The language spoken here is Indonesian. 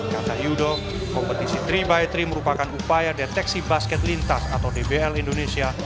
kata yudo kompetisi tiga x tiga merupakan upaya deteksi basket lintas atau dbl indonesia